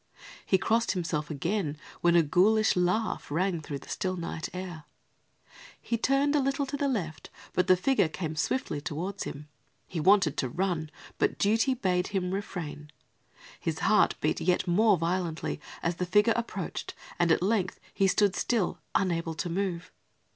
He crossed himself again, when a ghoulish laugh rang through the still night air. He turned a little to the left, but the figure came swiftly toward him. He wanted to run, but duty bade him refrain. His heart beat yet more violently as the figure approached and at length he stood still, unable to move.